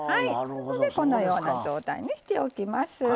こんなような状態にしておきます。